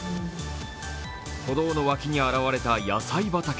歩道の脇に現れた野菜畑。